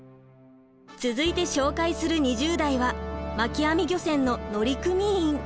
続いて紹介する２０代は巻き網漁船の乗組員。